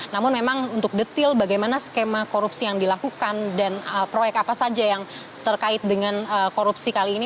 namun memang untuk detil bagaimana skema korupsi yang dilakukan dan proyek apa saja yang terkait dengan korupsi kali ini